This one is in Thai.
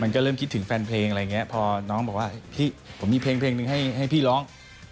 ก็เริ่มคิดถึงแฟนเพลงอะไรอย่างเงี้ยพอน้องบอกว่าพี่ผมมีเพลงเพลงหนึ่งให้พี่ร้อง